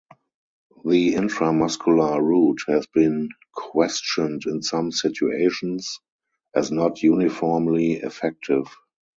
The intramuscular route has been questioned in some situations as not uniformly effective.